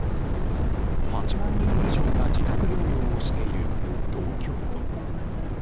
８万人以上が自宅療養をしている東京都。